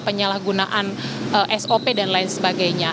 penyalahgunaan sop dan lain sebagainya